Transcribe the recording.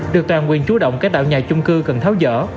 được toàn quyền chủ động các đạo nhà chung cư cần tháo dở